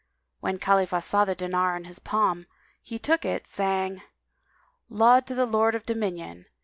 When Khalifah saw the dinar on his palm, he took it, saying, "Laud to the Lord of Dominion!"